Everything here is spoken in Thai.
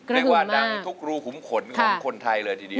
เรียกว่าดังทุกรูขุมขนของคนไทยเลยทีเดียว